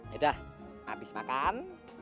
yaudah habis makan